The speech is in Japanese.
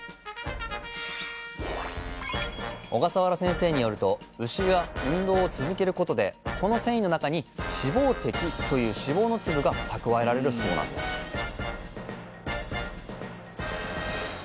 小笠原先生によると牛が運動を続けることでこの線維の中に「脂肪滴」という脂肪の粒がたくわえられるそうなんですえ！